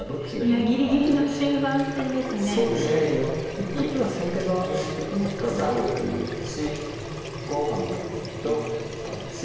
一時は先手がよくなっただろうという判断だったんですが。